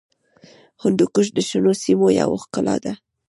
هندوکش د شنو سیمو یوه ښکلا ده.